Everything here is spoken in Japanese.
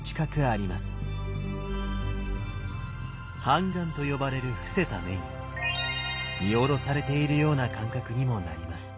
半眼と呼ばれる伏せた目に見下ろされているような感覚にもなります。